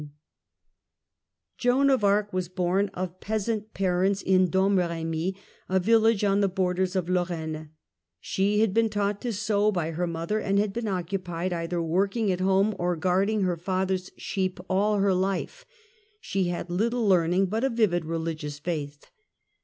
Joan of Joan of Arc was born of peasant parents in Domremy, a village on the borders of Lorraine ; she had been taught to sew by her mother and had been occupied either working at home or guarding her father's sheep all her life : she had little learning but a vivid religious faith.